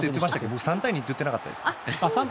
僕、３対２って言ってなかったですか？